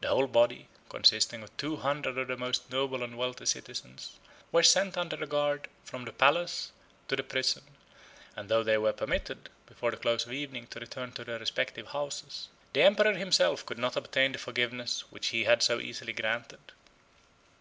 The whole body, consisting of two hundred of the most noble and wealthy citizens, were sent, under a guard, from the palace to the prison; and though they were permitted, before the close of evening, to return to their respective houses, 17 the emperor himself could not obtain the forgiveness which he had so easily granted.